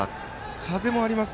風もあります